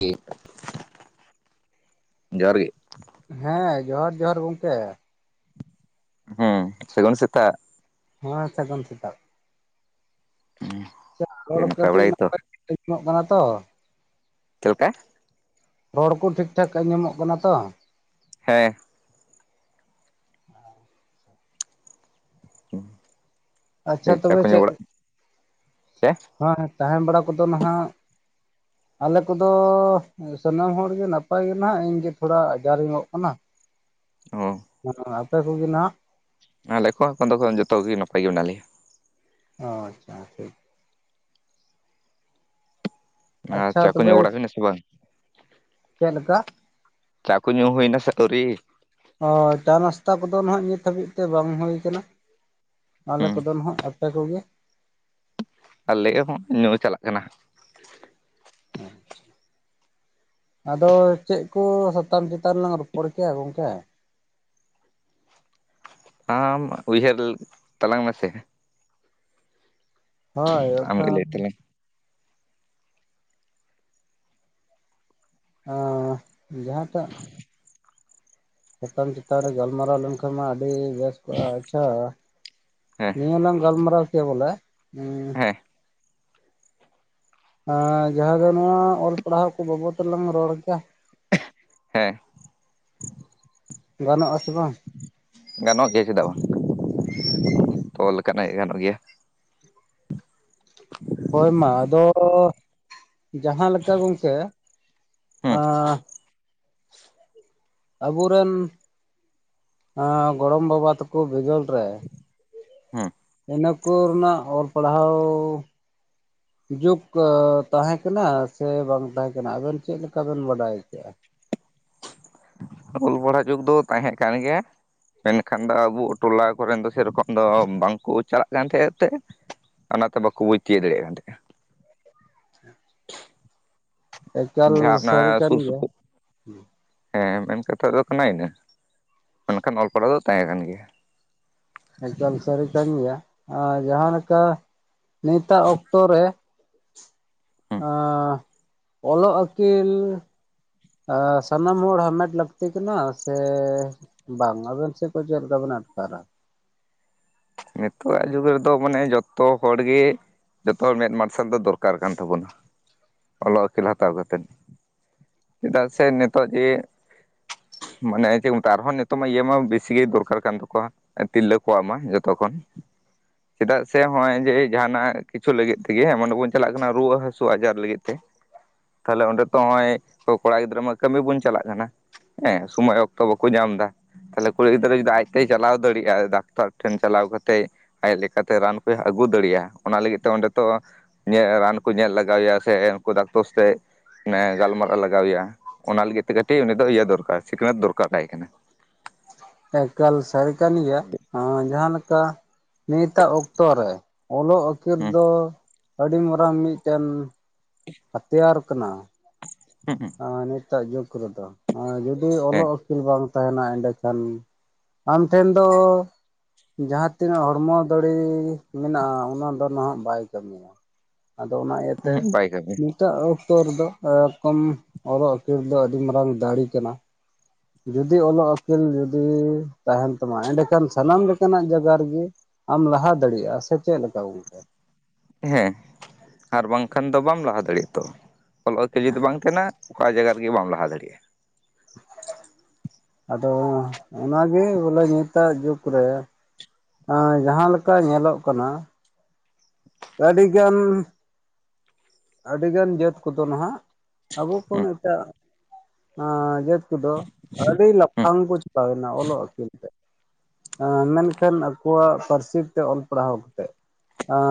[unintelligible] ᱡᱚᱦᱟᱨ ᱜᱮ ᱦᱮᱸ ᱡᱚᱦᱟᱨ ᱡᱚᱦᱟᱨ ᱜᱚᱝᱠᱮ ᱦᱮᱸ ᱥᱟᱹᱜᱩᱱ ᱥᱮᱛᱟᱜ ᱦᱮᱸ ᱥᱟᱹᱜᱩᱱ ᱥᱮᱛᱟᱜ [inaudible] [unintelligible] ᱨᱚᱲ ᱱᱟᱯᱟᱭ ᱵᱟᱲᱟ ᱠᱟᱹᱴᱤᱡ ᱜᱮᱛᱚ [unintelligible] ᱛᱚ ᱪᱮᱫ ᱞᱮᱠᱟ ᱨᱚᱲ ᱠᱚ ᱴᱷᱤᱠ-ᱴᱷᱟᱠ ᱟᱸᱡᱚᱢᱚᱜ ᱠᱟᱱᱟ ᱛᱚ ᱦᱮᱸ ᱟᱪᱪᱷᱟ [unintelligible] ᱪᱟ ᱛᱚᱵᱮ ᱠᱚ ᱧᱩ ᱵᱟᱲᱟᱜ ᱪᱮ ᱦᱟᱸ ᱦᱮᱸ ᱛᱟᱦᱮᱸ ᱵᱟᱲᱟ ᱠᱚᱫᱚ ᱱᱟᱦᱟᱜ ᱟᱞᱮ ᱠᱚᱫᱚ [unintelligible] ᱥᱟᱱᱟᱢ ᱦᱚᱲ ᱜᱮ ᱱᱟᱯᱟᱭ ᱜᱮ ᱱᱟᱦᱟᱜ ᱤᱧᱜᱮ ᱛᱷᱚᱲᱟ ᱟᱡᱟᱨᱤ ᱧᱚᱜ ᱠᱟᱱᱟ ᱚ ᱟᱯᱮ ᱠᱩᱜᱮ ᱱᱟᱜ ᱟᱞᱮ ᱠᱚ ᱦᱚᱸ ᱮᱠᱷᱚᱱ ᱫᱚ ᱡᱚᱛᱚᱜ ᱜᱮ ᱱᱟᱯᱟᱭ ᱜᱮ ᱢᱮᱱᱟᱜ ᱞᱮᱭᱟ ᱚ ᱟᱪᱷᱟ [unintelligible] ᱟᱨ ᱟᱪᱷᱟ [inaudible] ᱪᱟ ᱠᱚ ᱛᱚᱵᱮ ᱧᱩ ᱵᱟᱲᱟ ᱦᱩᱭᱱᱟ ᱥᱮ ᱵᱟᱝ ᱪᱮᱫ ᱞᱮᱠᱟ? ᱪᱟ ᱠᱚ ᱧᱩ ᱦᱩᱭ ᱮᱱᱟ ᱥᱮ ᱟᱹᱣᱨᱤ [unintelligible] ᱳ ᱪᱟ ᱱᱟᱥᱛᱟ ᱠᱚᱫᱚ ᱱᱟᱦᱟᱜ ᱱᱤᱛ ᱦᱟᱹᱵᱤᱡ ᱛᱮ ᱵᱟᱝ ᱦᱩᱭ ᱠᱟᱱᱟ ᱟᱞᱮ ᱦᱩᱸ ᱠᱚᱫᱚ ᱱᱟᱦᱟᱜ [unintelligible] [unintelligible] ᱠᱚᱜᱮ ᱟᱞᱮ ᱦᱚᱸ ᱧᱩ ᱪᱟᱞᱟᱜ ᱠᱟᱱᱟ᱾ [unintelligible] ᱟᱫᱚ ᱪᱮᱫ ᱠᱚ ᱥᱟᱛᱟᱢ ᱪᱮᱛᱟᱱ ᱨᱮᱞᱟᱝ ᱨᱚᱯᱚᱲ ᱠᱮᱭᱟ ᱜᱚᱝᱠᱮ? ᱟᱢ ᱩᱭᱦᱟᱹᱨ ᱛᱟᱞᱟᱝ ᱢᱮᱥᱮ ᱦᱳᱭ ᱟᱢᱜᱮ ᱞᱟᱹᱭ [unintelligible] ᱛᱟᱞᱟᱝ ᱟᱸ ᱡᱟᱦᱟᱸᱴᱟᱜ ᱥᱟᱛᱟᱢ ᱪᱮᱛᱟᱱ ᱨᱮ ᱜᱟᱞᱢᱟᱨᱟᱣ ᱞᱮᱱ ᱠᱷᱟᱱ ᱢᱟ ᱟᱹᱰᱤ ᱵᱮᱥ ᱟᱪᱷᱟ ᱦᱮᱸ ᱱᱤᱭᱟᱹ ᱞᱟᱝ ᱜᱟᱞᱢᱟᱨᱟᱣ ᱠᱮᱭᱟ ᱵᱚᱞᱮ ᱦᱮᱸ ᱮ ᱡᱟᱦᱟᱸ ᱫᱚ ᱱᱚᱣᱟ ᱚᱞ ᱯᱟᱲᱦᱟᱣ ᱠᱚ ᱵᱟᱵᱚᱛ ᱛᱮᱞᱟᱝ ᱨᱚᱲ ᱠᱮᱭᱟ ᱦᱮᱸ ᱜᱟᱱᱚᱜ ᱟᱥᱮ ᱵᱟᱝ ᱜᱟᱱᱚᱜ ᱜᱮᱭᱟ ᱪᱮᱫᱟᱜ ᱵᱟᱝ [inaudible] [unintelligible] ᱞᱮᱠᱟᱱᱟᱜ ᱜᱟᱱᱚᱜ ᱜᱮᱭᱟ ᱦᱳᱭ ᱢᱟ ᱟᱫᱚ ᱡᱟᱦᱟᱸ ᱞᱮᱠᱟ ᱵᱮᱱ ᱥᱮ ᱦᱩᱸ ᱟᱵᱚ ᱨᱮᱱ ᱮ ᱜᱚᱲᱚᱢ ᱵᱟᱵᱟ ᱛᱟᱠᱚ ᱵᱤᱫᱟᱹᱞ ᱨᱮ ᱦᱩᱸ ᱤᱱᱟᱹ ᱠᱚ ᱨᱮᱱᱟᱜ ᱚᱞ ᱯᱟᱲᱦᱟᱣ ᱡᱩᱜᱽ ᱮ ᱛᱟᱦᱮᱸ ᱠᱟᱱᱟ ᱥᱮ ᱵᱟᱝ ᱛᱟᱦᱮᱸ ᱠᱟᱱᱟ ᱟᱵᱮᱱ ᱪᱮᱫ ᱞᱮᱠᱟ ᱵᱮᱱ ᱵᱟᱰᱟᱭ ᱠᱮᱜ ᱟ ᱚᱞ ᱯᱟᱲᱦᱟᱜ ᱡᱩᱜᱽ ᱫᱚ ᱛᱟᱦᱮᱸ ᱠᱟᱱ ᱜᱮᱭᱟ ᱢᱮᱱᱠᱷᱟᱱ ᱫᱚ ᱟᱵᱚ ᱴᱚᱞᱟ ᱠᱚᱨᱮᱱ ᱫᱚ ᱥᱮᱨᱚᱠᱚᱢ ᱫᱚ ᱵᱟᱝᱠᱚ ᱪᱟᱞᱟᱜ ᱠᱟᱱ ᱛᱟᱦᱮᱸᱫ ᱛᱮ ᱚᱱᱟᱛᱮ ᱵᱟᱠᱚ ᱵᱩᱡᱽ ᱛᱤᱭᱟᱹᱜ ᱫᱟᱲᱭᱟᱜ ᱠᱟᱱ ᱛᱟᱦᱮᱡ ᱟ [inaudible] ᱮᱠᱟᱞ ᱡᱟᱦᱟᱸ ᱚᱱᱟ ᱥᱟᱹᱨᱤ ᱠᱟᱱ ᱥᱩᱨ ᱜᱮᱭᱟ ᱥᱩᱯᱩᱨ ᱦᱮᱸ ᱢᱮᱱ ᱠᱟᱛᱷᱟ ᱫᱚ ᱠᱟᱱᱟ ᱤᱱᱟᱹ ᱢᱮᱱ ᱠᱷᱟᱱ ᱚᱞ ᱯᱟᱲᱦᱟᱣ ᱫᱚ ᱛᱟᱦᱮᱸ ᱠᱟᱱ ᱜᱮᱭᱟ ᱮᱠᱟᱞ ᱥᱟᱹᱨᱤ ᱠᱟᱱ ᱜᱮᱭᱟ ᱟᱨ ᱡᱟᱦᱟᱸ ᱞᱮᱠᱟ ᱱᱤᱛᱟᱜ ᱚᱠᱛᱚ ᱨᱮ ᱦᱩᱸ ᱮ ᱚᱞᱚᱜ ᱟᱹᱠᱤᱞ ᱚ ᱥᱟᱱᱟᱢ ᱦᱚᱲ ᱦᱟᱢᱮᱴ ᱞᱟᱹᱠᱛᱤ ᱠᱟᱱᱟ ᱥᱮ ᱵᱟᱝ ᱟᱵᱮᱱ ᱥᱮᱫ ᱠᱚ ᱪᱮᱫ ᱞᱮᱠᱟᱵᱮᱱ ᱟᱴᱠᱟᱨᱟ ᱱᱤᱛᱚᱜᱟᱜ ᱡᱩᱜᱽ ᱨᱮᱫᱚ ᱢᱟᱱᱮ ᱡᱚᱛᱚ ᱦᱚᱲ ᱜᱮ ᱡᱚᱛᱚ ᱢᱮᱫ ᱢᱟ ᱥᱮᱫ ᱫᱚ ᱫᱚᱨᱠᱟᱨ ᱠᱟᱱ ᱛᱟᱵᱚᱱᱟ ᱚᱞᱚᱜ ᱟᱹᱠᱤᱞ ᱦᱟᱛᱟᱣ ᱠᱟᱛᱮᱫ ᱪᱮᱫᱟᱜ ᱥᱮ ᱱᱤᱛᱚᱜ ᱡᱮ ᱢᱟᱱᱮ ᱪᱮᱫ ᱠᱚ ᱢᱮᱛᱟᱜ ᱟᱨᱦᱚᱸ ᱱᱤᱛᱚᱜ ᱢᱟ ᱤᱭᱟᱹ ᱢᱟ ᱵᱮᱥᱤ ᱜᱮ ᱫᱚᱨᱠᱟᱨ ᱠᱟᱱ ᱛᱟᱠᱚᱣᱟ ᱛᱤᱨᱞᱟᱹ ᱠᱚᱣᱟᱜ ᱢᱟ ᱡᱚᱛ ᱛᱚᱠᱷᱚᱱ ᱪᱮᱫᱟᱜ ᱥᱮ ᱦᱚᱸᱜᱼᱚᱭ ᱡᱮ ᱡᱟᱦᱟᱱᱟᱜ ᱠᱤᱪᱷᱩ ᱞᱟᱹᱜᱤᱫ ᱛᱮᱜᱮ ᱚᱱᱮ [inaudible] ᱵᱚᱱ ᱪᱟᱞᱟᱜ ᱠᱟᱱᱟ ᱨᱩᱣᱟᱹ ᱦᱟᱹᱥᱩ ᱟᱡᱟᱨ ᱞᱟᱹᱜᱤᱫ ᱛᱮ ᱛᱟᱦᱞᱮ ᱚᱸᱰᱮ ᱛᱚ ᱱᱚᱜ ᱚᱭ ᱠᱚᱲᱟ ᱜᱤᱫᱽᱨᱟᱹ ᱢᱟ ᱠᱟᱹᱢᱤ ᱵᱚᱱ ᱪᱟᱞᱟᱜ ᱠᱟᱱᱟ ᱦᱮᱸ ᱥᱳᱢᱚᱭ ᱚᱠᱛᱚ ᱵᱟᱠᱚ ᱧᱟᱢ ᱫᱟ ᱛᱟᱦᱞᱮ ᱠᱩᱲᱤ ᱜᱤᱫᱽᱨᱟᱹ ᱡᱩᱫᱤ ᱟᱡᱛᱮᱭ ᱪᱟᱞᱟᱣ ᱫᱟᱲᱮᱭᱟᱜᱼᱟ ᱰᱟᱠᱛᱟᱨ ᱴᱷᱮᱱ ᱪᱟᱞᱟᱣ ᱠᱟᱛᱮᱜ ᱟᱡ ᱞᱮᱠᱟᱛᱮ ᱨᱟᱱ ᱠᱚᱭ ᱟᱹᱜᱩ ᱫᱟᱲᱮᱭᱟᱜᱼᱟ ᱚᱱᱟ ᱞᱟᱹᱜᱤᱫ ᱛᱮ ᱚᱸᱰᱮ ᱛᱚ ᱧᱮᱞ ᱨᱟᱱ ᱠᱚ ᱧᱮᱞ ᱞᱟᱜᱟᱣᱮᱭᱟ ᱥᱮ ᱩᱱᱠᱩ ᱰᱟᱠᱛᱚᱨ ᱥᱟᱣᱛᱮ ᱢᱟᱱᱮ ᱜᱟᱞᱢᱟᱨᱟᱜ ᱞᱟᱜᱟᱣᱮᱭᱟ ᱚᱱᱟ ᱞᱟᱹᱜᱤᱫ ᱛᱮ ᱠᱟᱹᱴᱤᱡ ᱩᱱᱤ ᱫᱚ ᱤᱭᱟᱹ ᱫᱚᱨᱠᱟᱨ ᱥᱤᱠᱷᱱᱟᱹᱛ ᱫᱚᱨᱠᱟᱨᱟᱭ ᱠᱟᱱᱟ ᱮᱠᱟᱞ ᱥᱟᱹᱨᱤ ᱠᱟᱱ ᱜᱮᱭᱟ ᱡᱟᱦᱟᱸ ᱞᱮᱠᱟ ᱱᱤᱛᱟᱜ ᱚᱠᱛᱚ ᱨᱮ ᱚᱞᱚᱜ ᱟᱹᱠᱷᱤᱨ ᱫᱚ ᱟᱹᱰᱤ ᱢᱟᱨᱟᱝ ᱢᱤᱫᱴᱮᱱ ᱦᱟᱛᱭᱟᱨ ᱠᱟᱱᱟ ᱦᱩᱸ ᱮ ᱱᱤᱛᱟᱜ ᱡᱩᱜᱽ ᱨᱮᱫᱚ ᱡᱩᱫᱤ ᱦᱮᱸ ᱚᱞᱚᱜ ᱟᱹᱠᱤᱞ ᱵᱟᱝ ᱛᱟᱦᱮᱱᱟ ᱮᱸᱰᱮᱠᱷᱟᱱ ᱟᱢ ᱴᱷᱮᱱ ᱫᱚ ᱡᱟᱦᱟᱸ ᱛᱤᱱᱟᱹᱜ ᱦᱚᱲᱢᱚ ᱫᱟᱲᱮ ᱢᱮᱱᱟᱜᱼᱟ ᱚᱱᱟ ᱫᱚ ᱱᱟᱦᱟᱜ ᱵᱟᱭ ᱠᱟᱹᱢᱤᱭᱟ ᱟᱫᱚ ᱚᱱᱟ ᱤᱭᱟᱹᱛᱮ ᱦᱮᱸ ᱵᱟᱭ ᱠᱟᱹᱢᱤᱭᱟ ᱱᱤᱛᱟᱜ ᱚᱠᱛᱚ ᱨᱮᱫᱚ ᱮᱨᱚᱠᱚᱢ ᱚᱨᱚᱜ ᱟᱹᱠᱷᱤᱞ ᱫᱚ ᱟᱹᱰᱤ ᱢᱟᱨᱟᱝ ᱫᱟᱲᱤ ᱠᱟᱱᱟ ᱾ ᱡᱩᱫᱤ ᱚᱞᱚᱜ ᱟᱹᱠᱤᱞ ᱡᱩᱫᱤ ᱛᱟᱦᱮᱱ ᱛᱟᱢᱟ ᱮᱸᱰᱮ ᱠᱷᱟᱱ ᱥᱟᱱᱟᱢ ᱞᱮᱠᱟᱱᱟᱜ ᱡᱟᱜᱟ ᱨᱮᱜᱤ ᱟᱢ ᱞᱟᱦᱟ ᱫᱟᱲᱤᱭᱟᱜ-ᱟ, ᱥᱮ ᱪᱮᱞᱠᱟ ᱜᱚᱝᱠᱮ? ᱦᱮᱸ, ᱟᱨ ᱵᱟᱝ ᱠᱷᱟᱱ ᱫᱚ ᱵᱟᱢ ᱞᱟᱦᱟ ᱫᱟᱲᱮᱜ-ᱟ ᱛᱚ, ᱚᱞ-ᱚᱞᱛᱮ ᱡᱩᱫᱤ ᱵᱟᱝ ᱛᱟᱦᱮᱱᱟ ᱾ ᱚᱠᱟ ᱡᱟᱭᱜᱟ ᱨᱮᱜᱤ ᱵᱟᱢ ᱞᱟᱦᱟ ᱫᱟᱲᱮᱜᱼᱴ-ᱟ ᱾ ᱟᱫᱚ ᱚᱱᱟᱜᱮ ᱵᱚᱞᱮ ᱧᱤᱛᱟᱜ ᱡᱩᱜᱽ ᱨᱮ ᱾ ᱮᱸ ᱡᱟᱦᱟᱸ ᱞᱮᱠᱟ ᱧᱮᱞᱚᱜ ᱠᱟᱱᱟ ᱾ ᱪᱮ ᱟᱰᱤ ᱜᱟᱱ ᱟᱹᱰᱤ ᱜᱟᱱ ᱡᱟᱹᱛ ᱠᱚᱫᱚ ᱱᱟᱦᱟᱜ, ᱟᱵᱚ ᱠᱷᱚᱱ ᱦᱩᱸ ᱮᱴᱟᱜ ᱮᱸ ᱡᱟᱹᱛ ᱠᱚᱫᱚ ᱟᱹᱰᱤ ᱦᱩᱸ ᱞᱟᱯᱷᱟᱝ ᱠᱚ ᱪᱟᱞᱟ ᱠᱟᱱᱟ ᱚᱞᱚᱜ ᱟᱹᱠᱤᱞ ᱛᱮ ᱾ ᱮ ᱢᱮᱱᱠᱷᱟᱱ ᱟᱠᱚᱣᱟᱜ ᱯᱟᱹᱨᱥᱤ ᱛᱮ ᱚᱞ ᱯᱟᱲᱦᱟᱣ ᱠᱟ ᱠᱟᱛᱮᱜ,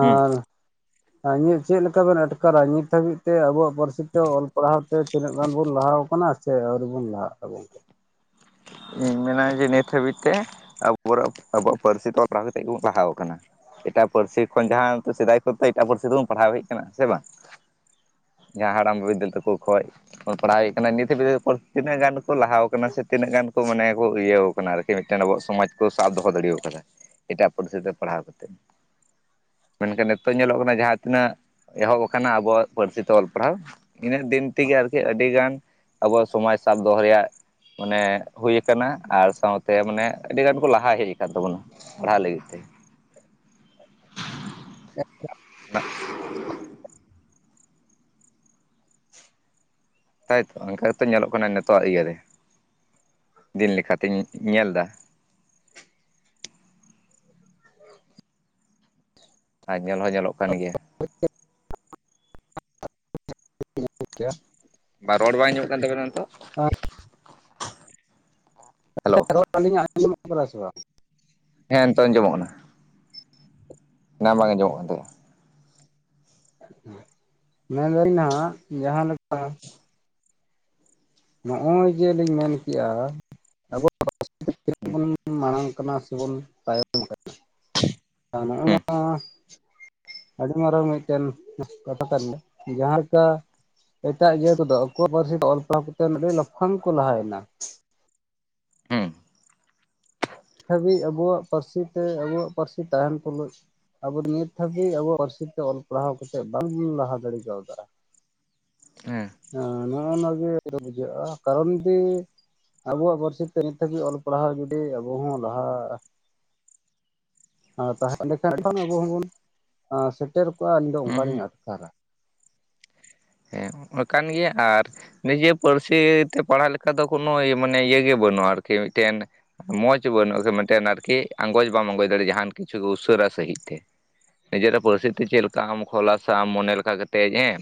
ᱦᱩᱸ ᱮᱸ ᱤᱧᱟᱹᱜ ᱪᱮᱞᱮᱠᱟ ᱵᱚᱱ ᱟᱴᱠᱟᱨᱟ ᱧᱤᱛ ᱦᱟᱹᱵᱤᱡ ᱛᱮ ᱟᱵᱚᱣᱟᱜ ᱯᱟᱹᱨᱥᱤ ᱛᱮ ᱚᱞ ᱯᱟᱲᱦᱟᱣ ᱛᱮ ᱛᱤᱱᱟᱹᱜ ᱜᱟᱱ ᱵᱚᱱ ᱞᱟᱦᱟᱣ ᱠᱟᱱᱟ? ᱥᱮ ᱟᱹᱣᱨᱤ ᱵᱚᱱ ᱞᱟᱦᱟᱜ-ᱟ ᱜᱚᱝᱠᱮ? ᱮᱱᱟ ᱡᱮ ᱱᱤᱛ ᱦᱟᱹᱵᱤᱡ ᱛᱮ ᱟᱵᱚ ᱟᱵᱚᱣᱟᱜ ᱯᱟᱹᱨᱥᱤ ᱛᱮ ᱯᱟᱲᱦᱟᱣ ᱠᱟᱛᱮ ᱜᱮ ᱵᱚ ᱞᱟᱦᱟᱣ ᱟᱠᱟᱱᱟ ᱾ ᱮᱴᱟᱜ ᱯᱟᱹᱨᱥᱤ ᱠᱷᱚᱱ ᱡᱟᱦᱟᱸ ᱛᱚ ᱥᱮᱫᱟᱭ ᱠᱚᱛᱮ ᱮᱴᱟᱜ ᱯᱟᱹᱨᱥᱤ ᱛᱮᱵᱚᱱ ᱯᱟᱲᱦᱟᱣ ᱦᱮᱡ ᱠᱟᱱᱟ ᱥᱮ ᱵᱟᱝ? ᱡᱟᱦᱟᱸ ᱦᱟᱲᱟᱢ ᱵᱤᱫᱽᱫᱟᱹᱞ ᱛᱟᱠᱩ ᱠᱷᱚᱡ ᱾ ᱯᱟᱲᱦᱟᱣ ᱦᱩᱭᱩᱜ ᱠᱟᱱᱟ ᱱᱤᱛ ᱦᱟᱹᱫᱤᱡ ᱛᱮ ᱛᱤᱱᱟᱹᱜ ᱜᱟᱱ ᱠᱚ ᱞᱟᱦᱟᱣ ᱠᱟᱱᱟ ᱥᱮ ᱛᱤᱱᱟᱹᱜ ᱜᱟᱱ ᱠᱚ ᱢᱟᱱᱮ ᱠᱚ ᱤᱭᱟᱹ ᱠᱟᱱᱟ ᱟᱨᱠᱤ ᱢᱤᱫᱴᱮᱱ ᱟᱵᱚᱣᱟᱜ ᱥᱚᱢᱟᱡᱽ ᱠᱚ ᱥᱟᱵ ᱫᱚᱦᱚ ᱫᱟᱲᱮᱣ ᱠᱟᱫᱟ ᱾ ᱮᱴᱟᱜ ᱯᱟᱹᱨᱥᱤ ᱛᱮ ᱯᱟᱲᱦᱟᱣ ᱠᱟᱛᱮᱫ ᱾ ᱢᱮᱱᱠᱷᱟᱱ ᱱᱤᱛᱚᱜ ᱧᱮᱞᱚᱜ ᱠᱟᱱᱟ ᱡᱟᱦᱟᱸ ᱛᱤᱱᱟᱹᱜ ᱮᱦᱚᱵ ᱟᱠᱟᱱᱟ ᱟᱵᱚᱣᱟᱜ ᱯᱟᱹᱨᱥᱤ ᱛᱮ ᱚᱞ ᱯᱟᱲᱦᱟᱣ ᱾ ᱤᱱᱟᱹᱜ ᱫᱤᱱ ᱛᱮᱜᱮ ᱟᱨᱠᱤ ᱟᱹᱰᱤ ᱜᱟᱱ ᱟᱵᱚ ᱥᱚᱢᱟᱡᱽ ᱥᱟᱵ ᱫᱚᱦᱚᱭᱟᱭ ᱨᱮᱭᱟᱜ ᱢᱟᱱᱮ ᱦᱩᱭ ᱠᱟᱱᱟ ᱟᱨ ᱥᱟᱶᱛᱮ ᱢᱟᱱᱮ ᱟᱹᱰᱤ ᱜᱟᱱ ᱠᱚ ᱞᱟᱦᱟ ᱦᱮᱡ ᱟᱠᱟᱱ ᱛᱟᱵᱚᱱᱟ ᱯᱟᱲᱦᱟᱜ ᱞᱟᱹᱜᱤᱫ ᱛᱮ ᱾ ᱛᱟᱭ ᱛᱚ ᱚᱱᱠᱟ ᱜᱮᱛᱚ ᱧᱮᱞᱚᱜ ᱠᱟᱱᱟ ᱱᱤᱛᱚᱜ-ᱟᱜ ᱤᱭᱟᱹ ᱨᱮ ᱫᱤᱱ ᱞᱮᱠᱟ ᱛᱤᱧ ᱧᱮᱞ ᱫᱟ ᱾ ᱟᱨ ᱧᱮᱞ ᱦᱚᱸ ᱧᱮᱞᱚᱜ ᱠᱟᱱ ᱜᱮᱭᱟ ᱾ ᱠᱮ [inaudible] ᱵᱟ ᱨᱚᱲ ᱵᱟᱝ ᱟᱸᱡᱚᱢᱚᱜ ᱠᱟᱱ ᱛᱟᱵᱮᱱᱟ ᱱᱤᱛᱚᱜ ᱾ ᱦᱮᱞᱳ [inaudible] ᱥᱮ ᱵᱟ ᱦᱮᱸ ᱱᱤᱛᱚᱜ ᱟᱸᱡᱚᱢᱚᱜ ᱠᱟᱱᱟ ᱾ ᱮᱱᱟ ᱵᱟᱝ ᱟᱸᱡᱚᱢᱚᱜ ᱠᱟᱱ ᱛᱟᱦᱮᱸᱼᱟ ᱾ [unintelligible] ᱦᱟᱸᱜ ᱡᱟᱦᱟᱸᱞᱮᱠᱟ ᱱᱚᱜᱼᱚᱭ ᱡᱮᱞᱤᱧ ᱢᱮᱱ ᱠᱮᱜᱼᱟ, [inaudible] [inaudible] ᱵᱚᱱ ᱢᱟᱲᱟᱝ ᱠᱟᱱᱟ ᱥᱮᱵᱚᱱ ᱛᱟᱭᱚᱢ ᱠᱟᱱᱟ ᱱᱚᱜᱼᱚ ᱦᱩᱸ ᱱᱚᱣᱟ ᱾ ᱟᱹᱰᱤ ᱢᱟᱨᱟᱝ ᱢᱤᱫᱴᱮᱱ ᱠᱟᱛᱟ ᱠᱟᱱ ᱫᱚ ᱡᱟᱦᱟᱸ ᱞᱮᱠᱟ ᱮᱴᱟᱜ ᱡᱟᱹᱛ ᱠᱚᱫᱚ ᱟᱠᱚᱣᱟᱜ ᱯᱟᱹᱨᱥᱤ ᱛᱮ ᱚᱞ ᱯᱟᱲᱦᱟᱣ ᱠᱟᱛᱮᱫ ᱟᱹᱰᱤ ᱞᱟᱯᱷᱟᱝ ᱠᱚ ᱞᱟᱦᱟᱭ ᱱᱟ ᱾ ᱦᱩᱸ ᱦᱟᱹᱵᱤᱡ ᱟᱵᱚᱣᱟᱜ ᱯᱟᱨᱥᱤ ᱛᱮ ᱟᱵᱚᱣᱟᱜ ᱯᱟᱨᱥᱤ ᱛᱟᱦᱮᱱ ᱛᱩᱞᱩᱡ ᱾ ᱟᱵᱚ ᱱᱤᱛ ᱦᱟᱹᱵᱤᱡ ᱟᱵᱚ-ᱟ ᱯᱟᱨᱥᱤ ᱛᱮ ᱚᱞ ᱯᱟᱲᱦᱟᱣ ᱠᱟᱛᱮᱫ ᱵᱟᱝᱵᱩᱱ ᱞᱟᱦᱟ ᱫᱟᱲᱮ ᱠᱟᱣ ᱫᱟ ᱾ ᱦᱮᱸ ᱱᱚᱜᱼᱚ ᱱᱟ ᱜᱮ [inaudible] ᱵᱩᱡᱷᱟᱹᱜᱼᱟ ᱠᱟᱨᱚᱱ ᱫᱤ ᱟᱵᱚᱣᱟᱜ ᱯᱟᱹᱨᱥᱤ ᱛᱮ ᱱᱤᱛᱚ ᱜᱤ ᱚᱞ ᱯᱟᱲᱦᱟᱣ ᱡᱩᱫᱤ ᱟᱵᱚ ᱦᱚᱸ ᱞᱟᱦᱟ -ᱟ᱾ ᱛᱟᱦᱮᱸ ᱮᱱᱰᱮᱠᱷᱟᱱ [inaudible] ᱟᱵᱚ ᱦᱚᱸᱵᱚᱱ ᱥᱮᱴᱮᱨ ᱠᱚᱜᱼᱟ ᱟᱹᱞᱤᱧ ᱫᱚ ᱦᱩᱸ ᱦᱩᱸ ᱚᱱᱠᱟᱞᱤᱧ ᱟᱴᱠᱟᱨᱟ ᱾ ᱦᱮᱸ ᱠᱟᱱ ᱜᱮᱭᱟ ᱟᱨ ᱱᱤᱡᱮ ᱯᱟᱹᱨᱥᱤ ᱛᱮ ᱯᱟᱲᱦᱟᱜ ᱞᱮᱠᱟ ᱫᱚ ᱠᱳᱱᱳ ᱤ-ᱢᱟᱱᱮ ᱤᱭᱟᱹ ᱜᱮ ᱵᱟᱹᱱᱩᱜᱼᱟ ᱟᱨᱠᱤ ᱢᱤᱴᱮᱱ ᱢᱚᱸᱡᱽ ᱵᱟᱹᱱᱩᱜᱼᱟ ᱠᱤ ᱢᱤᱫᱴᱮᱱ ᱟᱨᱠᱤ ᱟᱸᱜᱚᱡ ᱵᱟᱢ ᱟᱸᱜᱚᱡ ᱫᱟᱲᱮ ᱡᱟᱦᱟᱱ ᱠᱤᱪᱷᱩ ᱩᱥᱟᱹᱨᱟ ᱥᱟᱺᱦᱤᱡ ᱛᱮ ᱾ ᱱᱤᱡᱮᱨᱟᱜ ᱯᱟᱹᱨᱥᱤ ᱛᱮ ᱪᱮᱫ ᱞᱮᱠᱟᱢ ᱠᱷᱚᱞᱟᱥᱟ ᱢᱚᱱᱮ ᱞᱮᱠᱟ ᱠᱟᱛᱮᱜ ᱮᱸ,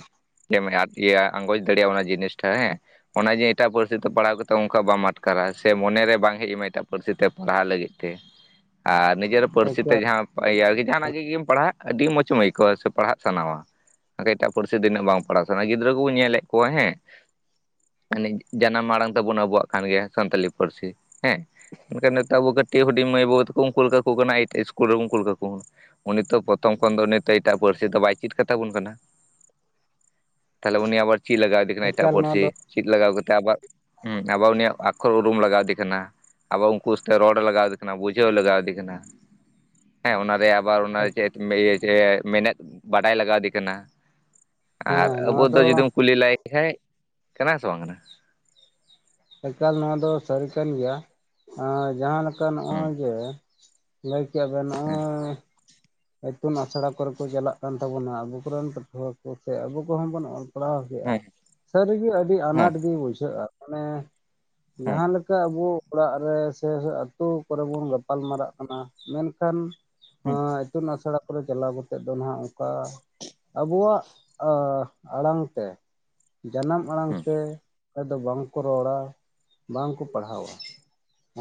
ᱡᱮᱢ ᱤᱭᱟᱹ ᱟᱸᱜᱚᱪ ᱫᱟᱲᱮᱼᱟ ᱚᱱᱟ ᱡᱤᱱᱤᱥᱴᱟ ᱦᱮᱸ ᱾ ᱚᱱᱮ ᱡᱮ ᱮᱴᱟᱜ ᱯᱟᱹᱨᱥᱤ ᱛᱮ ᱯᱟᱲᱦᱟᱣ ᱠᱟᱛᱮᱜ ᱚᱱᱠᱟ ᱵᱟᱢ ᱟᱴᱠᱟᱨᱟ ᱥᱮ ᱢᱚᱱᱮᱨᱮ ᱵᱟᱝ ᱦᱮᱡᱢᱟ ᱮᱴᱟᱜ ᱯᱟᱹᱨᱥᱤ ᱛᱮ ᱯᱟᱲᱦᱟᱜ ᱞᱟᱹᱜᱤᱫ ᱛᱮ ᱾ ᱟᱨ ᱱᱤᱡᱮᱨᱟᱜ ᱯᱟᱹᱨᱥᱤ ᱛᱮ ᱮᱠᱟᱞ ᱡᱟᱦᱟᱸ [inaudible] ᱡᱟᱦᱟᱱᱟᱜ ᱜᱤ ᱜᱤᱢ ᱯᱟᱲᱦᱟᱜ ᱟᱹᱰᱤ ᱢᱚᱸᱡᱽ ᱮᱢ ᱟᱹᱭᱠᱟᱹᱣᱟ ᱥᱮ ᱯᱟᱲᱦᱟᱜ ᱥᱟᱱᱟᱣᱟ ᱾ ᱟᱨ ᱮᱴᱟᱜ ᱯᱟᱹᱨᱥᱤ ᱛᱤᱱᱟᱹᱜ ᱵᱟᱝ ᱯᱟᱲᱟᱜᱟᱣ ᱥᱟᱱᱟ ᱜᱤᱫᱽᱨᱟᱹ ᱠᱩᱵᱚ ᱧᱮᱞᱮᱜ ᱠᱚᱣᱟ ᱦᱮᱸ ᱾ ᱡᱟᱱᱟᱢ ᱟᱲᱟᱝ ᱛᱟᱵᱚᱱ ᱟᱵᱚᱣᱟᱜ ᱠᱟᱱ ᱜᱮᱭᱟ ᱥᱟᱱᱛᱟᱞᱤ ᱯᱟᱹᱨᱥᱤ ᱾ ᱦᱮᱸ, ᱢᱮᱱᱠᱷᱟᱱ ᱱᱤᱛᱚᱜ ᱟᱵᱚ ᱠᱟᱹᱴᱤᱡ ᱦᱩᱰᱤᱝ ᱢᱟᱹᱭ ᱵᱟᱹᱵᱩ ᱛᱟᱹᱠᱩ ᱩᱱᱠᱩᱞ ᱠᱟᱠᱚ ᱠᱟᱱᱟ ᱤᱴ-ᱤᱥᱠᱩᱞ ᱨᱮᱵᱚᱱ ᱠᱩᱞ ᱠᱟᱠᱚ [unintelligible] ᱩᱱᱤ ᱛᱚ ᱯᱨᱚᱛᱷᱚᱢ ᱠᱷᱚᱱ ᱫᱚ ᱩᱱᱤ ᱮᱴᱟᱜ ᱯᱟᱹᱨᱥᱤ ᱫᱚ ᱵᱟᱭ ᱪᱮᱫ ᱠᱟᱫ ᱛᱟᱵᱚᱱ ᱠᱟᱱᱟ ᱾ ᱛᱟᱦᱚᱞᱮ ᱩᱱᱤ ᱟᱵᱟᱨ ᱪᱮᱫ ᱞᱟᱜᱟᱣ ᱫᱮ ᱠᱟᱱᱟ ᱮᱴᱟᱜ ᱮᱠᱟᱞ ᱱᱚᱣᱟ ᱯᱟᱹᱨᱥᱤ ᱫᱚ ᱪᱮᱫ ᱞᱟᱜᱟᱣ ᱠᱟᱛᱮᱫ ᱟᱵᱚᱣᱜ ᱾ ᱦᱸ ᱟᱵᱟᱨ ᱩᱱᱤᱭᱟᱜ ᱟᱠᱷᱚᱨ ᱩᱨᱩᱢ ᱞᱟᱜᱟᱣ ᱟᱫᱮ ᱠᱟᱱᱟ ᱾ ᱟᱵᱚ ᱩᱱᱠᱩ ᱥᱟᱶᱛᱮ ᱨᱚᱲ ᱞᱟᱜᱟᱣ ᱟᱫᱮ ᱠᱟᱱᱟ ᱵᱩᱡᱷᱟᱹᱣ ᱞᱟᱜᱟ ᱟᱫᱮ ᱠᱟᱱᱟ ᱾ ᱦᱮᱸ ᱚᱱᱟᱨᱮ ᱟᱵᱟᱨ ᱚᱱᱟ ᱪᱮᱫ ᱤᱭᱟᱹ ᱢᱮᱱᱮᱫ ᱵᱟᱰᱟᱭ ᱞᱟᱜᱟᱣ ᱟᱫᱮ ᱠᱟᱱᱟ ᱾ ᱦᱮᱸ ᱱᱚᱣᱟ ᱫᱚ ᱠᱩᱞᱤ ᱞᱟᱭ ᱠᱷᱟᱡ ᱠᱟᱱᱟ ᱥᱮ ᱵᱟᱝ ᱠᱟᱱᱟ ᱮᱠᱟᱞ ᱱᱚᱣᱟ ᱫᱚ ᱥᱟᱹᱨᱤ ᱠᱟᱱ ᱜᱮᱭᱟ ᱡᱟᱦᱟᱸ ᱞᱮᱠᱟ ᱦᱩᱸ ᱱᱚᱜᱼᱚᱭ ᱡᱮ ᱾ ᱞᱟᱹᱭ ᱠᱮᱫᱴᱜ ᱟᱵᱮᱱ ᱦᱮᱸ ᱱᱚᱜᱼᱚᱭ ᱾ ᱤᱛᱩᱱ ᱟᱥᱲᱟ ᱠᱚᱨᱮ ᱠᱚ ᱪᱟᱞᱟᱜ ᱠᱟᱱ ᱛᱟᱵᱚᱱᱟ ᱟᱵᱚ ᱠᱚᱨᱮᱱ ᱯᱟᱹᱴᱷᱩᱣᱟᱹ ᱠᱚ ᱥᱮ ᱟᱵᱚ ᱠᱚᱦᱚᱸ ᱵᱚᱱ ᱥᱟᱯᱲᱟᱣ ᱠᱮᱫᱼᱟ ᱦᱮᱸ ᱥᱟᱹᱨᱤ ᱜᱮ ᱟᱹᱰᱤ ᱦᱮᱸ ᱟᱱᱟᱴ ᱜᱮ ᱵᱩᱡᱷᱟᱹᱜᱼᱟ ᱢᱟᱱᱮ ᱦᱮᱸ ᱡᱟᱦᱟᱸ ᱞᱮᱠᱟ ᱟᱵᱚ ᱚᱲᱟᱜ ᱨᱮ ᱥᱮ ᱟᱹᱛᱳ ᱠᱚᱨᱮ ᱵᱚᱱ ᱜᱟᱯᱟᱞ ᱢᱟᱨᱟᱜ ᱠᱟᱱᱟ ᱢᱮᱱᱠᱷᱟᱱ ᱮᱸ ᱟᱥᱲᱟ ᱠᱚᱨᱮ ᱪᱟᱞᱟᱣ ᱠᱟᱛᱮᱫ ᱫᱚ ᱱᱟᱦᱟᱜ ᱚᱝᱠᱟ ᱟᱵᱚᱣᱟᱜ ᱮᱸ ᱟᱲᱟᱝ ᱛᱮ ᱡᱟᱱᱟᱢ ᱟᱲᱟᱝ ᱛᱮ ᱟᱫᱚ ᱵᱟᱝ ᱠᱚ ᱨᱚᱲᱟ ᱵᱟᱝ ᱠᱚ ᱯᱟᱲᱦᱟᱣᱟ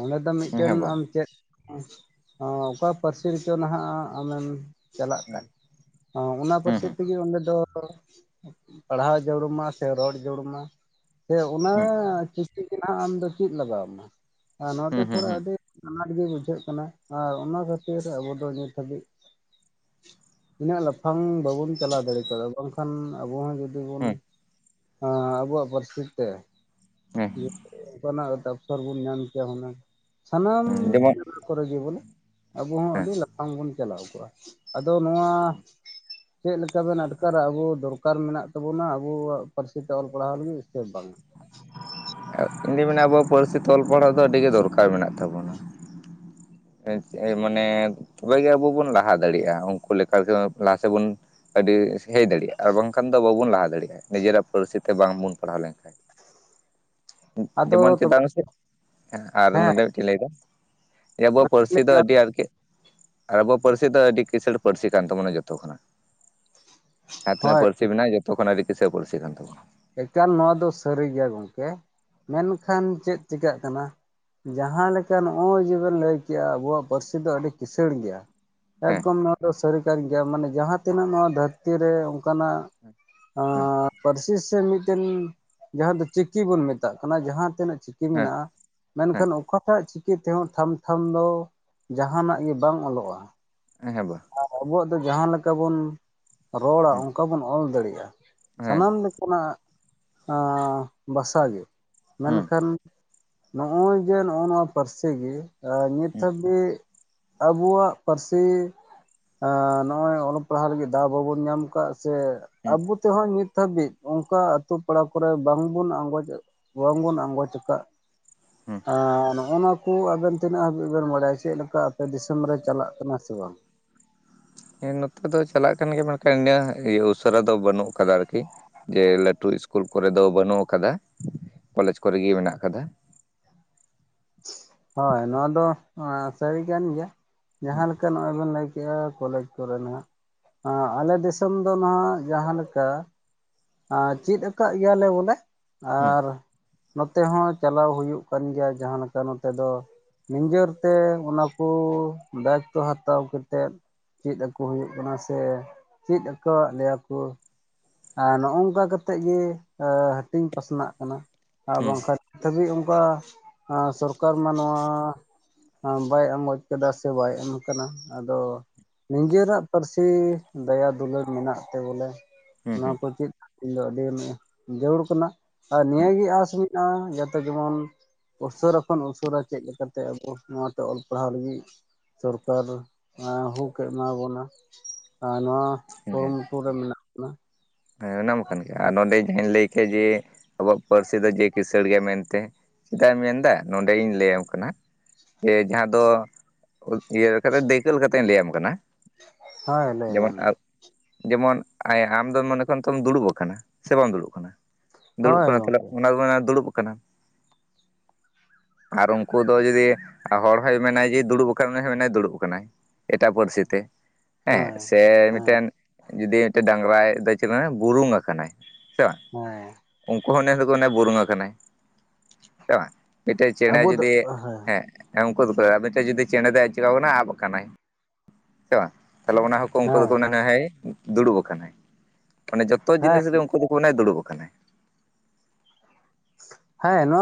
ᱚᱸᱰᱮ ᱫᱚ ᱢᱤᱫᱴᱮᱱ ᱦᱮᱸ ᱵᱟᱝ ᱟᱢ ᱪᱮᱫ ᱟᱸᱻ ᱚᱠᱟ ᱯᱟᱹᱨᱥᱤ ᱨᱮᱪᱚ ᱱᱟᱦᱟᱜ ᱟᱢᱮᱢ ᱪᱟᱞᱟᱜ ᱠᱟᱱ ᱚᱱᱟ ᱦᱩᱸ ᱯᱟᱹᱨᱥᱤ ᱦᱩᱸ ᱛᱮᱜᱮ ᱚᱸᱰᱮ ᱫᱚ ᱯᱟᱲᱦᱟᱣ ᱡᱟᱹᱨᱩᱢᱟ ᱥᱮ ᱨᱚᱲ ᱡᱟᱹᱨᱩᱢᱟ ᱥᱮ ᱚᱱᱟ ᱪᱤᱠᱤ ᱾ ᱱᱟᱦᱟᱜ ᱟᱢ ᱫᱚ ᱪᱮᱫ ᱞᱟᱜᱟᱣ ᱟᱢᱟ ᱱᱚᱣᱟ ᱛᱮ ᱦᱩᱸ ᱦᱩᱸ ᱛᱷᱚᱲᱟ ᱦᱩᱸ ᱟᱹᱰᱤ ᱾ ᱟᱱᱟᱴ ᱜᱮ ᱵᱩᱡᱷᱟᱹᱜ ᱠᱟᱱᱟ ᱟᱨ ᱚᱱᱟ ᱠᱷᱟᱹᱛᱤᱨ ᱟᱵᱚ ᱫᱚ ᱱᱤᱛ ᱦᱟᱹᱵᱤᱡ ᱛᱤᱱᱟᱹᱜ ᱞᱟᱯᱷᱟᱝ ᱵᱟᱵᱚᱱ ᱪᱟᱞᱟᱣ ᱫᱟᱲᱮ ᱠᱟᱣᱫᱟ ᱵᱟᱝ ᱠᱷᱟᱱ ᱟᱵᱚ ᱦᱚᱸ ᱡᱩᱫᱤ ᱵᱚᱱ ᱦᱩᱸ ᱦᱮᱸ ᱟᱵᱚᱣᱟᱜ ᱯᱟᱹᱨᱥᱤ ᱛᱮ ᱦᱚᱨ ᱵᱚᱱ ᱧᱟᱢ ᱠᱮᱭᱟ ᱚᱱᱟ ᱥᱟᱱᱟᱢ ᱦᱮᱸ ᱡᱮᱢᱚᱱ ᱠᱚᱨᱮ ᱜᱮ ᱵᱚᱞᱮ ᱟᱵᱚ ᱦᱚᱸ ᱦᱮᱸ ᱟᱹᱰᱤ ᱞᱟᱯᱷᱟᱝ ᱵᱚᱱ ᱪᱟᱞᱟᱣ ᱠᱚᱜᱼᱟ ᱟᱫᱚ ᱱᱚᱣᱟ ᱪᱮᱫ ᱞᱮᱠᱟ ᱵᱮᱱ ᱟᱴᱠᱟᱨᱟ ᱟᱵᱚ ᱫᱚᱨᱠᱟᱨ ᱢᱮᱱᱟᱜ ᱛᱟᱵᱚᱱᱟ ᱟᱵᱩᱣᱟᱜ ᱯᱟᱹᱨᱥᱤ ᱛᱮ ᱚᱞ ᱯᱟᱲᱦᱟᱣ ᱞᱟᱹᱜᱤᱫ ᱥᱮ ᱵᱟᱝ ᱤᱧ ᱫᱩᱧ ᱢᱮᱱᱟ ᱟᱵᱚᱣᱟᱜ ᱯᱟᱹᱨᱥᱤ ᱚᱞ ᱯᱟᱲᱟᱜᱟᱣ ᱫᱚ ᱟᱹᱰᱤ ᱜᱮ ᱫᱚᱨᱠᱟᱨ ᱢᱮᱱᱟᱜ ᱛᱟᱵᱚᱱᱟ ᱮᱸ ᱢᱟᱱᱮ ᱛᱚᱵᱮ ᱜᱮ ᱟᱵᱚ ᱵᱚᱱ ᱞᱟᱦᱟ ᱫᱟᱲᱮᱜᱼᱟ ᱩᱱᱠᱩ ᱞᱟᱦᱟ ᱥᱮᱫ ᱵᱚᱱ ᱟᱹᱰᱤ ᱥᱟᱹᱜᱤᱧ ᱦᱮᱡ ᱫᱟᱲᱮᱭᱟᱜᱼᱟ ᱟᱨ ᱵᱟᱝ ᱠᱷᱟᱱ ᱫᱚ ᱵᱟᱵᱚᱱ ᱞᱟᱦᱟ ᱫᱟᱲᱮᱭᱟᱜᱼᱟ ᱱᱤᱡᱮᱨᱟᱜ ᱯᱚᱨᱤᱥᱛᱷᱤᱛᱤ ᱨᱮ ᱵᱟᱝ ᱵᱚᱱ ᱯᱟᱲᱦᱟᱣ ᱞᱮᱱᱠᱷᱟᱱ ᱟᱫᱚ ᱡᱮᱢᱚᱱ ᱛᱚᱵᱮ ᱪᱮᱛᱟᱱ ᱥᱮᱫ ᱟᱨ ᱦᱮᱸ ᱱᱚᱰᱮ ᱢᱤᱫᱴᱮᱱ ᱞᱟᱹᱭᱫᱟ ᱟᱵᱚᱣᱟᱜ ᱯᱟᱹᱨᱥᱤ ᱫᱚ ᱟᱹᱰᱤ ᱟᱨᱠᱤ ᱟᱵᱚ ᱯᱟᱹᱨᱥᱤ ᱫᱚ ᱟᱹᱰᱤ ᱠᱤᱥᱟᱹᱬ ᱯᱟᱹᱨᱥᱤ ᱠᱟᱱ ᱛᱟᱵᱚᱱᱟ ᱡᱚᱛᱚ ᱠᱷᱚᱱᱟᱜ ᱡᱟᱦᱟᱸ ᱛᱤᱱᱟᱹᱜ ᱦᱳᱭ ᱯᱟᱹᱨᱥᱤ ᱢᱮᱱᱟᱜᱼᱟ ᱡᱚᱛᱚ ᱠᱷᱚᱱᱟᱜ ᱟᱹᱰᱤ ᱠᱤᱥᱟᱹᱬ ᱯᱟᱹᱨᱥᱤ ᱠᱟᱱ ᱛᱟᱵᱚᱱᱟ ᱮᱠᱟᱞ ᱱᱚᱣᱟ ᱫᱚ ᱥᱟᱹᱨᱤ ᱜᱮᱭᱟ ᱜᱚᱝᱠᱮ ᱢᱮᱱᱠᱷᱟᱱ ᱪᱮᱫ ᱪᱮᱠᱟᱹᱜ ᱠᱟᱱᱟ ᱡᱟᱦᱟᱸ ᱞᱮᱠᱟ ᱱᱚᱜᱼᱚᱭ ᱡᱮᱵᱮᱱ ᱞᱟᱹᱭ ᱠᱮᱜᱼᱟ ᱟᱵᱚᱣᱟᱜ ᱯᱟᱹᱨᱥᱤ ᱫᱚ ᱟᱹᱰᱤ ᱠᱤᱥᱟᱹᱬ ᱜᱮᱭᱟ ᱦᱮᱸ ᱮᱠᱫᱚᱢ ᱱᱚᱣᱟ ᱫᱚ ᱥᱟᱹᱨᱤ ᱠᱟᱱ ᱜᱮᱭᱟ ᱢᱟᱱᱮ ᱡᱟᱦᱟᱸ ᱛᱤᱱᱟᱹᱜ ᱱᱚᱣᱟ ᱫᱷᱟᱹᱨᱛᱤ ᱨᱮ ᱚᱝᱠᱟᱱᱟᱜ ᱦᱮᱸ ᱟᱸᱻ ᱯᱟᱹᱨᱥᱤ ᱯᱟᱹᱨᱥᱤ ᱢᱤᱫᱴᱮᱱ ᱡᱟᱦᱟᱸ ᱫᱚ ᱪᱤᱠᱤ ᱵᱚᱱ ᱢᱮᱛᱟᱜ ᱠᱟᱱᱟ ᱡᱟᱦᱟᱸ ᱛᱤᱱᱟᱹᱜ ᱪᱤᱠᱤ ᱦᱮᱸ ᱢᱮᱱᱟᱜᱼᱟ ᱢᱮᱱᱠᱷᱟᱱ ᱚᱠᱟᱴᱟᱜ ᱪᱤᱠᱤ ᱛᱮᱦᱚᱸ ᱴᱷᱟᱢ ᱴᱷᱟᱢ ᱫᱚ ᱡᱟᱸᱦᱟᱱᱟᱜ ᱜᱮ ᱵᱟᱝ ᱚᱞᱚᱜᱼᱟ ᱮᱸᱦᱮᱸᱜ ᱵᱟ ᱟᱨ ᱟᱵᱚᱣᱟᱜ ᱫᱚ ᱡᱟᱦᱟᱸ ᱞᱮᱠᱟ ᱵᱚᱱ ᱨᱚᱲᱟ ᱦᱩᱸ ᱚᱱᱠᱟ ᱵᱚᱱ ᱚᱞ ᱫᱟᱲᱮᱭᱟᱜᱼᱟ ᱦᱮᱸ ᱥᱟᱱᱟᱢ ᱞᱮᱠᱟᱱᱟᱜ ᱮᱸᱻ ᱵᱷᱟᱥᱟ ᱜᱮ ᱦᱩᱸ ᱢᱮᱱᱠᱷᱟᱱ ᱱᱚᱜᱼᱚᱭ ᱡᱮ ᱱᱚᱜᱼᱚ ᱱᱚᱣᱟ ᱯᱟᱹᱨᱥᱤ ᱜᱮ ᱱᱤᱛ ᱦᱩᱸ ᱦᱟᱹᱵᱤᱡ ᱟᱵᱚᱣᱟᱜ ᱯᱟᱹᱨᱥᱤ ᱮᱸᱻ ᱱᱚᱜᱼᱚᱭ ᱚᱞᱚᱜ ᱯᱟᱲᱦᱟᱜ ᱞᱟᱹᱜᱤᱫ ᱫᱟᱣ ᱵᱟᱵᱚᱱ ᱧᱟᱢ ᱠᱟᱜ ᱥᱮ ᱦᱩᱸ ᱟᱵᱚ ᱛᱮᱦᱚᱸ ᱱᱤᱛ ᱦᱟᱹᱵᱤᱡ ᱚᱝᱠᱟ ᱟᱹᱛᱳ ᱯᱟᱲᱟ ᱠᱚᱨᱮ ᱵᱟᱝ ᱵᱚᱱ ᱟᱸᱜᱚᱡ ᱵᱟᱝ ᱵᱚᱱ ᱟᱸᱜᱚᱪ ᱠᱟᱜ ᱦᱩᱸ ᱮᱸᱻ ᱱᱚᱜᱼᱱᱚᱣᱟ ᱠᱚ ᱟᱵᱮᱱ ᱛᱤᱱᱟᱹᱜ ᱦᱟᱹᱵᱤᱡ ᱵᱮᱱ ᱵᱟᱲᱟᱭᱟ ᱪᱮᱫᱞᱮᱠᱟ ᱟᱯᱮ ᱫᱤᱥᱚᱢ ᱨᱮ ᱪᱟᱞᱟᱜ ᱠᱟᱱᱟ ᱥᱮ ᱵᱟᱝ ᱦᱮᱸ ᱱᱚᱛᱮ ᱫᱚ ᱪᱟᱞᱟᱜ ᱠᱟᱱ ᱜᱮᱭᱟ ᱢᱮᱱ ᱠᱷᱟᱱ [inaudible] ᱤᱭᱟᱹ ᱩᱥᱟᱹᱨᱟ ᱫᱚ ᱵᱟᱹᱱᱩᱜ ᱟᱠᱟᱫᱟ ᱟᱨᱠᱤ ᱡᱮ ᱞᱟᱹᱴᱩ ᱤᱥᱠᱩᱞ ᱠᱚᱨᱮ ᱫᱚ ᱵᱟᱹᱱᱩᱜ ᱠᱟᱫᱟ ᱠᱚᱞᱮᱡᱽ ᱠᱚᱨᱮ ᱜᱮ ᱢᱮᱱᱟᱜ ᱠᱟᱫᱟ ᱦᱳᱭ ᱱᱚᱣᱟ ᱫᱚ ᱥᱟᱹᱨᱤ ᱠᱟᱱ ᱜᱮᱭᱟ ᱦᱩᱸ ᱡᱟᱦᱟᱸ ᱞᱮᱠᱟ ᱱᱚᱜᱼᱚᱭ ᱵᱤᱱ ᱞᱟᱹᱭ ᱠᱮᱜᱼᱟ ᱠᱚᱞᱮᱡᱽ ᱠᱚᱨᱮ ᱱᱟᱦᱟᱜ ᱮᱸᱻ ᱟᱞᱮ ᱫᱤᱥᱚᱢ ᱫᱚ ᱱᱟᱦᱟᱜ ᱡᱟᱦᱟᱸ ᱞᱮᱠᱟ ᱟᱸ ᱪᱮᱫ ᱠᱟᱫ ᱜᱮᱭᱟ ᱞᱮ ᱵᱚᱞᱮ ᱦᱩᱸ ᱟᱨ ᱱᱚᱛᱮ ᱦᱚᱸ ᱪᱟᱞᱟᱣ ᱦᱩᱭᱩᱜ ᱠᱟᱱ ᱜᱮᱭᱟ ᱡᱟᱦᱟᱸ ᱞᱮᱠᱟ ᱱᱚᱛᱮ ᱫᱚ ᱱᱤᱡᱮᱨ ᱛᱮ ᱚᱱᱟ ᱠᱚ ᱫᱟᱭᱤᱛᱛᱚ ᱦᱟᱛᱟᱣ ᱠᱟᱛᱮᱫ ᱪᱮᱫ ᱟᱠᱚ ᱦᱩᱭᱩᱜ ᱠᱟᱱᱟ ᱥᱮ ᱪᱮᱫ ᱟᱠᱟᱣᱟᱫ ᱞᱮᱭᱟ ᱠᱚ ᱟᱨ ᱱᱚᱜ-ᱚᱝᱠᱟ ᱠᱟᱛᱮᱫ ᱜᱮ ᱦᱟᱹᱴᱤᱧ ᱯᱟᱥᱱᱟᱜ ᱠᱟᱱᱟ ᱟᱨ ᱦᱩᱸ ᱵᱟᱝᱠᱷᱟᱱ ᱫᱷᱟᱹᱵᱤᱡ ᱚᱝᱠᱟ ᱥᱚᱨᱠᱟᱨ ᱢᱟ ᱱᱚᱣᱟ ᱵᱟᱭ ᱟᱸᱜᱚᱡ ᱠᱟᱫᱟ ᱥᱮ ᱵᱟᱭ ᱮᱢ ᱠᱟᱱᱟ ᱟᱫᱚ ᱱᱤᱡᱮᱨᱟᱜ ᱯᱟᱹᱨᱥᱤ ᱫᱟᱭᱟ ᱫᱩᱞᱟᱹᱲ ᱢᱮᱱᱟᱜ ᱛᱮ ᱵᱚᱞᱮ ᱦᱩᱸ ᱦᱩᱸ ᱱᱚᱣᱟ ᱠᱚ ᱪᱮᱫ ᱤᱧ ᱫᱚ ᱟᱹᱰᱤ ᱡᱟᱹᱨᱩᱲ ᱠᱟᱱᱟ ᱟᱨ ᱦᱩᱸ ᱱᱤᱭᱟᱹᱜᱮ ᱟᱸᱥ ᱢᱮᱱᱟᱜ-ᱟ ᱡᱟᱛᱮ ᱡᱮᱢᱚᱱ ᱩᱥᱟᱹᱨᱟ ᱠᱷᱚᱱ ᱩᱥᱟᱹᱨᱟ ᱪᱮᱫ ᱞᱮᱠᱟᱛᱮ ᱱᱚᱣᱟ ᱛᱮ ᱚᱞ ᱯᱟᱲᱦᱟᱣ ᱞᱟᱹᱜᱤᱫ ᱥᱚᱨᱠᱟᱨ ᱦᱩᱠ ᱮᱢᱟ ᱵᱚᱱᱟ ᱟᱨ ᱱᱚᱣᱟ ᱦᱮᱸ ᱠᱩᱨᱩᱢᱩᱴᱩ ᱨᱮ ᱢᱮᱱᱟᱜ ᱵᱚᱱᱟ ᱦᱮᱸ ᱚᱱᱟᱢᱟ ᱠᱟᱱ ᱜᱮ ᱟᱨ ᱱᱚᱰᱮ ᱡᱟᱦᱟᱸᱧ ᱞᱟᱹᱭ ᱠᱮᱭᱟ ᱡᱮ ᱟᱵᱚᱣᱟᱜ ᱯᱟᱹᱨᱥᱤ ᱫᱚ ᱡᱮ ᱠᱤᱥᱟᱹᱬ ᱜᱮᱭᱟ ᱢᱮᱱᱛᱮ ᱪᱮᱫᱟᱜ ᱮ ᱢᱮᱱᱫᱟ ᱱᱚᱰᱮ ᱜᱮ ᱞᱟᱹᱭ ᱟᱢ ᱠᱟᱱᱟ ᱡᱮ ᱡᱟᱦᱟᱸ ᱫᱚ ᱤᱭᱟᱹ ᱠᱟᱛᱮ ᱫᱟᱹᱭᱠᱟᱹ ᱞᱮᱠᱟᱛᱮᱧ ᱞᱟᱹᱭᱟᱢ ᱠᱟᱱᱟ ᱦᱳᱭ ᱞᱟᱹᱭ ᱡᱮᱢᱚᱱ ᱵᱮᱱ ᱢᱟ ᱡᱮᱢᱚᱱ ᱟᱢ ᱫᱚ ᱢᱚᱱᱮ ᱠᱷᱚᱱ ᱛᱚᱢ ᱫᱩᱲᱩᱵ ᱠᱟᱱᱟ ᱥᱮ ᱵᱟᱢ ᱫᱩᱲᱩᱵ ᱠᱟᱱᱟ ᱫᱩᱲᱩᱵ ᱦᱳᱭ ᱠᱟᱱᱟ ᱛᱟᱞᱦᱮ ᱜᱚᱢᱠᱮ ᱚᱱᱟ ᱠᱚ ᱢᱮᱱᱟ ᱫᱩᱲᱩᱵ ᱠᱟᱱᱟ ᱟᱨ ᱩᱝᱠᱩ ᱫᱚ ᱡᱩᱫᱤ ᱦᱚᱲ ᱦᱚᱸᱭ ᱢᱮᱱᱟᱭ ᱡᱮ ᱫᱩᱲᱩᱵ ᱠᱟᱱᱟ ᱩᱱᱤ ᱦᱚᱸ ᱢᱮᱱᱟᱭ ᱫᱩᱲᱩᱵ ᱠᱟᱱᱟᱭ ᱮᱴᱟᱜ ᱯᱟᱹᱨᱥᱤ ᱛᱮ ᱦᱮᱸ ᱦᱳᱭ ᱥᱮ ᱦᱮᱸ ᱢᱤᱫᱴᱮᱱ ᱡᱩᱫᱤ ᱢᱤᱫᱴᱮᱡ ᱰᱟᱝᱨᱟᱭ ᱪᱮᱛᱟᱱ ᱨᱮ ᱵᱩᱨᱩᱢ ᱟᱠᱟᱱᱟᱭ ᱥᱮ ᱵᱟᱝ ᱦᱮᱸ ᱩᱱᱠᱩ ᱦᱚᱸ [inaudible] ᱠᱚ ᱵᱩᱨᱩᱝ ᱟᱠᱟᱱᱟᱭ ᱥᱮ ᱵᱟᱝ ᱢᱤᱫᱴᱮᱡ ᱪᱮᱬᱮ ᱟᱵᱚ ᱫᱚ ᱡᱩᱫᱤ ᱦᱮᱸ ᱦᱮᱸᱜ ᱦᱮᱸ ᱩᱱᱠᱩ ᱫᱚᱠᱚ ᱞᱟᱹᱭᱟ ᱢᱤᱫᱴᱮᱱ ᱡᱩᱫᱤ ᱪᱮᱬᱮ ᱫᱚᱭ ᱪᱮᱠᱟᱣ ᱠᱟᱱᱟ ᱟᱵ ᱠᱟᱱᱟᱭ ᱥᱮ ᱵᱟᱝ ᱛᱟᱦᱚᱞᱮ ᱚᱱᱟ ᱦᱚᱸ ᱩᱱᱠᱩ ᱫᱚᱠᱚ ᱦᱮᱸ ᱢᱮᱱᱟ ᱦᱮᱸ ᱫᱩᱲᱩᱵ ᱠᱟᱱᱟᱭ ᱢᱟᱱᱮ ᱡᱚᱛᱚ ᱦᱮᱸ ᱡᱤᱱᱤᱥ ᱨᱮ ᱩᱱᱠᱩ ᱫᱚᱠᱚ ᱢᱮᱱᱟ ᱫᱩᱲᱩᱵ ᱠᱟᱱᱟᱭ ᱦᱮᱸ ᱱᱚᱣᱟ